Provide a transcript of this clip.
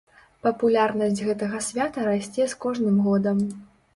Папулярнасць гэтага свята расце з кожным годам.